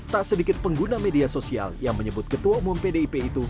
tak sedikit pengguna media sosial yang menyebut ketua umum pdip itu